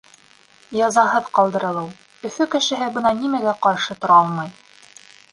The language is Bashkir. Язаһыҙ ҡалдырылыу — Өфө кешеһе бына нимәгә ҡаршы тора алмай.